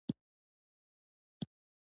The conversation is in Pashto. زه د عبدالرحمن پروانه ملګری يم